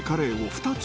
２つ。